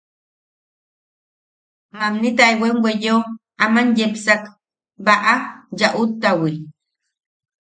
Mamni taewaim weyeo aman yepsak, Baʼa Yaʼut-ta-wi.